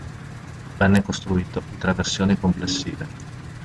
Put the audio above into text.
Venne costruito in tre versioni complessive.